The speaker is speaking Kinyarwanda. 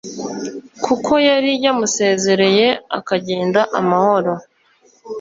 kuko yari yamusezereye akagenda amahoro.